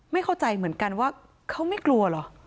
ไม่เข้าใจเหมือนกันว่าเขาไม่กลัวเหรอ